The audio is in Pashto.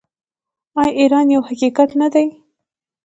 آیا ایران یو حقیقت نه دی؟